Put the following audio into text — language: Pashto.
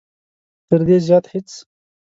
تر دې زیات هېڅ.